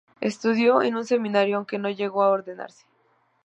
Estudió en un seminario, aunque no llegó a ordenarse.